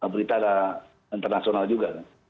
berita internasional juga